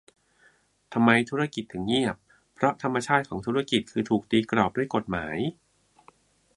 ทำไม "ธุรกิจ" ถึงเงียบ เพราะธรรมชาติของธุรกิจคือถูกตีกรอบด้วยกฎหมาย